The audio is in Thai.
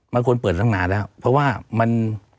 มันควรเปิดตั้งนานแล้วเพราะว่ามัน